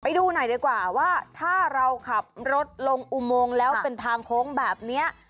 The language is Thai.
ไปดูหน่อยดีกว่าว่าถ้าเราขับรถลงอุโมงแล้วเป็นทางโค้งแบบนี้